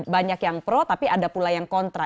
banyak yang pro tapi ada pula yang kontra